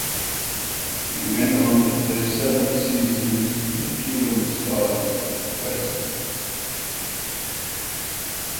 He went on to play seven seasons with the Cuban Stars (West).